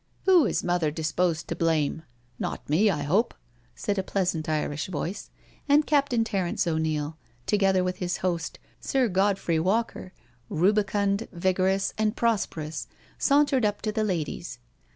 " Who is mother disposed to blame? Not m^, I hope?" said! a pleasant Irish voice, and Captain Terence O'Neil, together with his host. Sir Godfrey Walker, rubicund, vigorous, and prosperous, sauntered up to the ladies.